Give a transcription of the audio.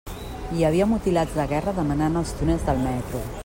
Hi havia mutilats de guerra demanant als túnels del metro.